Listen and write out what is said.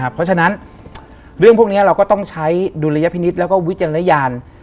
เพราะฉะนั้นเรื่องพวกนี้เราก็ต้องใช้ดุลยพินิษฐ์แล้วก็วิจารณญาณ